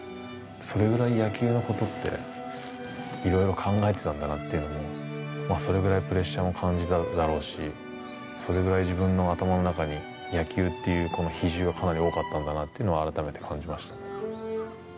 それぐらい野球のことっていろいろ考えてたんだなっていうのも、まあ、それぐらいプレッシャーも感じただろうし、それぐらい自分の頭の中に野球というこの比重はかなり多かったんだなというのは改めて感じました。